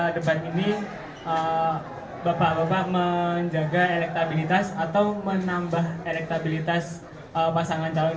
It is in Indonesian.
debat ini bapak bapak menjaga elektabilitas atau menambah elektabilitas pasangan calon